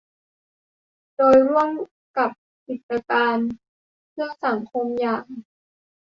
โดยร่วมกับกิจการเพื่อสังคมอย่าง